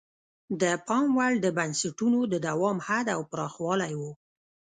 د پام وړ د بنسټونو د دوام حد او پراخوالی وو.